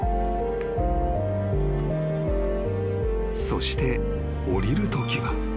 ［そして降りるときは］